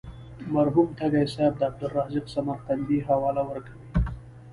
مرحوم تږی صاحب د عبدالرزاق سمرقندي حواله ورکوي.